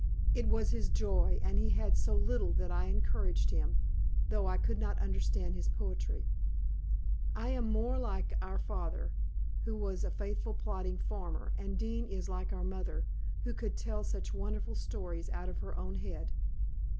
It was his joy, and he had so little that I encouraged him, though I could not understand his poetry. I am more like our father, who was a faithful plodding farmer, and Dean is like our mother, who could tell such wonderful stories out of her own head.